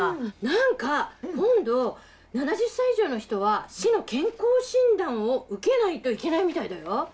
何か今度７０歳以上の人は市の健康診断を受けないといけないみたいだよ。